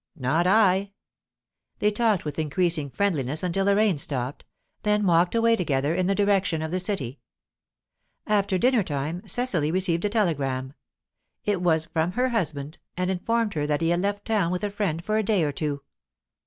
"Not I!" They talked with increasing friendliness until the rain stopped, then walked away together in the direction of the City. About dinner time, Cecily received a telegram. It was from her husband, and informed her that he had left town with a friend for a day or two.